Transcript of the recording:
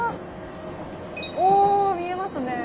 お見えますね。